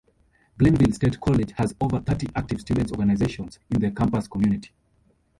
Glenville State College has over thirty active Student Organizations in the campus community.